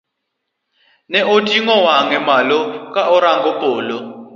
Ne oting'o wang'e malo ka orango polo.